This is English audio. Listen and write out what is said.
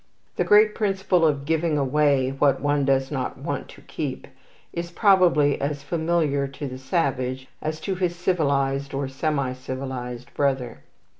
The great principle of giving away what one does not want to keep is probably as familiar to the savage as to his civilized, or semi civilized brother.